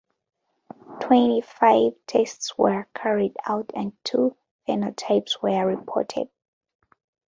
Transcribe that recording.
Twenty five tests were carried out and two phenotypes were reported.